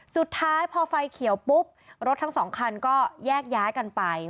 สุดท้ายพอไฟเขียวปุ๊บรถทั้งสองคันก็แยกย้ายกันไป